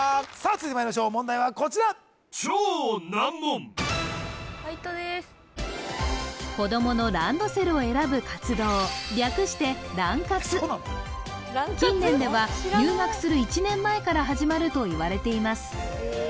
続いてまいりましょう問題はこちら・ファイトでーす子供のランドセルを選ぶ活動略して「ラン活」近年では入学する１年前から始まるといわれています